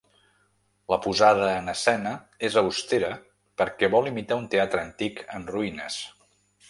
La posada en escena és austera perquè vol imitar un teatre antic en ruïnes.